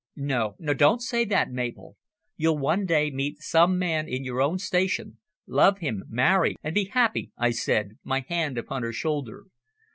"No, no; don't say that, Mabel. You'll one day meet some man in your own station, love him, marry and be happy," I said, my hand upon her shoulder.